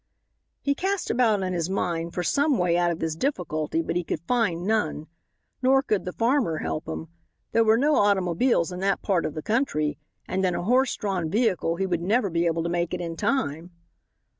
He cast about in his mind for some way out of his difficulty, but he could find none. Nor could the farmer help him. There were no automobiles in that part of the country, and in a horse drawn vehicle he would never be able to make it in time.